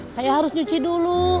saya harus nyuci dulu